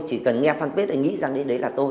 chỉ cần nghe phan kết để nghĩ rằng đấy là tôi